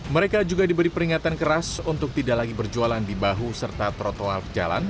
mereka juga diberi peringatan keras untuk tidak lagi berjualan di bahu serta trotoar jalan